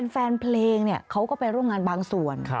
แฟนเพลงเขาก็ไปร่วมงานบางส่วน